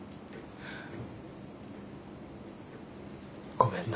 ごめんな。